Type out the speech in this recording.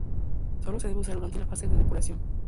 Sólo se debe usar durante la fase de depuración.